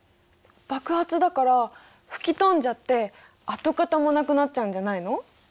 爆発だから吹き飛んじゃって跡形もなくなっちゃうんじゃないの？